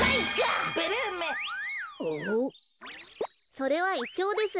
それはイチョウです。